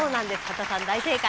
刄田さん大正解。